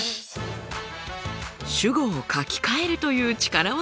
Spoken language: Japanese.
主語を書き換えるという力技。